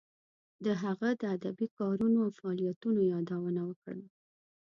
د هغه د ادبی کارونو او فعالیتونو یادونه کړه.